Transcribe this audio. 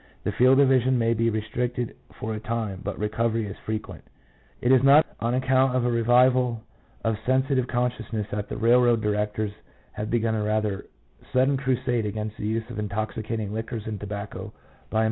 The field of vision may be restricted for a time, but recovery is frequent. It is not on account of a revival of sensitive con sciences that the railroad directors have begun a rather sudden crusade against the use of intoxicating liquors and tobacco by employees engaged in operating 1 T.